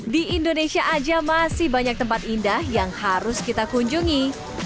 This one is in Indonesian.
di indonesia aja masih banyak tempat indah yang harus kita kunjungi